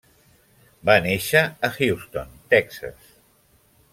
Va néixer a Houston, Texas.